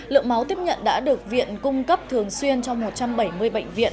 lượng máu tiếp nhận đã được viện cung cấp thường xuyên cho một trăm bảy mươi bệnh viện